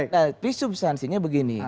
nah presubstansinya begini